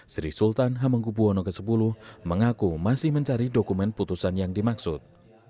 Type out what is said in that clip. sri sultan hamengkubwono x mengaku masih mencari dokumen putusan yang dimaksud